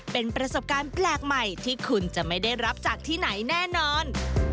เป็นประสบการณ์แปลกใหม่ที่คุณจะไม่ได้รับจากที่ไหนแน่นอน